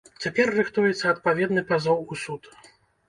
Цяпер рыхтуецца адпаведны пазоў у суд.